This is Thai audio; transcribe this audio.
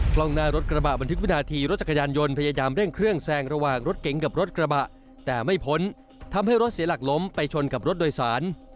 กล้องหน้ารถกระบะบันทึกวินาทีรถจักรยานยนต์พยายามเร่งเครื่องแซงระหว่างรถเก๋งกับรถกระบะแต่ไม่พ้นทำให้รถเสียหลักล้มไปชนกับรถโดยสาร